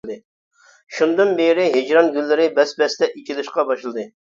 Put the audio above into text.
شۇندىن بېرى ھىجران گۈللىرىم بەس-بەستە ئېچىلىشقا باشلىدى.